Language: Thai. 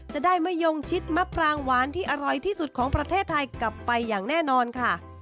จะได้มะยงชิดมะปรางหวานที่อร่อยที่สุดของประเทศไทยกลับไปอย่างแน่นอนค่ะ